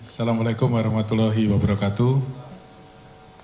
assalamu'alaikum warahmatullahi wabarakatuh